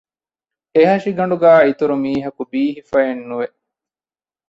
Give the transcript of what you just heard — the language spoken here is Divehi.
އެހަށިގަނޑުގައި އިތުރުމީހަކު ބީހިފައއެއްނުވެ